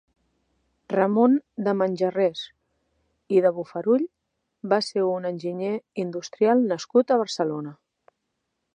Ramon de Manjarrés i de Bofarull va ser un enginyer industrial nascut a Barcelona.